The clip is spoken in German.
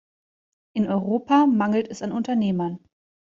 In Europa mangelt es an Unternehmern.